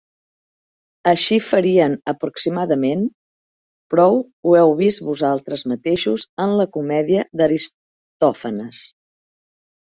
Així farien aproximadament; prou ho heu vist vosaltres mateixos en la comèdia d'Aristòfanes.